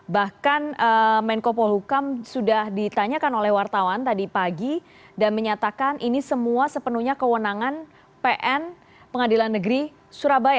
bahkan menko polhukam sudah ditanyakan oleh wartawan tadi pagi dan menyatakan ini semua sepenuhnya kewenangan pn pengadilan negeri surabaya